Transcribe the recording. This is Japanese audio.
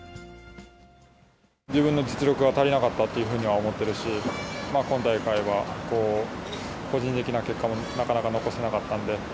自分の実力が足りなかったというふうには思ってるし、今大会は個人的な結果もなかなか残せなかったんで。